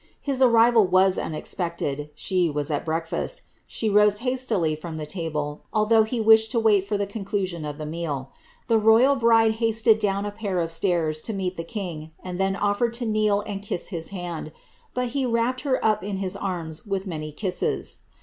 His arrival was unexpected — she was at breakfast — she rose hastily from table, although he wished to wait for the conclusion of the meal. The royal bride hasted down a pair of stairs to meet the king, and then offered to kneel and kiss his hand, ^ but he wrapt her up in his arms with many kisses.'''